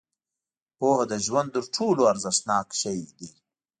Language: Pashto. • پوهه د ژوند تر ټولو ارزښتناک شی دی.